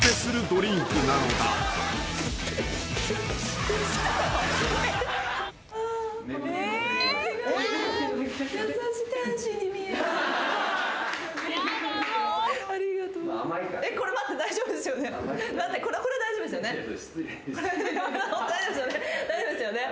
ホント大丈夫ですよね。